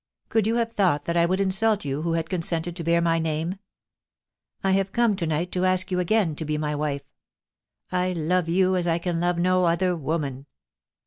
Could you have thought that I would insult you who had consented to bear my name ? I have come to night to ask you again to be my wife. ... I love you as I can love no other woman.